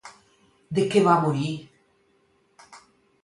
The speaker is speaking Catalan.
De què va morir?